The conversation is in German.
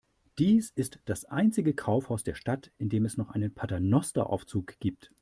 Dies ist das einzige Kaufhaus der Stadt, in dem es noch einen Paternosteraufzug gibt.